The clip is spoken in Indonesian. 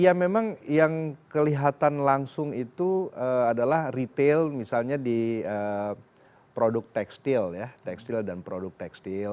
ya memang yang kelihatan langsung itu adalah retail misalnya di produk tekstil ya tekstil dan produk tekstil